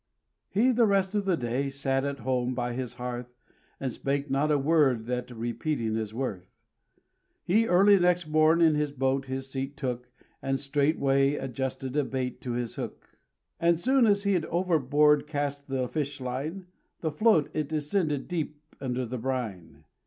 He the rest of the day sat at home by his hearth And spake not a word that repeating is worth. He early next morn in his boat his seat took, And straightway adjusted a bait to his hook. And soon as he'd overboard cast the fish line, The float it descended deep under the brine.